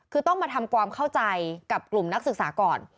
คือต้องมาทำความเข้าใจกับกลุ่มนักศึกษาก่อน